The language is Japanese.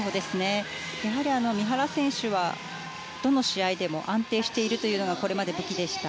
やはり、三原選手はどの試合でも安定しているというのがこれまで武器でした。